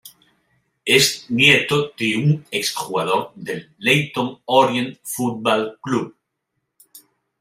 Es nieto de un ex jugador del Leyton Orient Football Club.